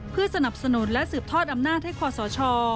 เพื่อสนับสนุนและสืบทอดอำนาจให้คอสช